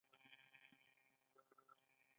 اړتیا یې نشته، ته کولای شې دی په جبهه کې وآزموېې.